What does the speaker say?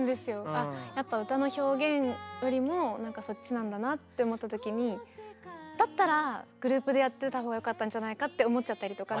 あやっぱ歌の表現よりもそっちなんだなって思った時にだったらグループでやってた方がよかったんじゃないかって思っちゃったりとか。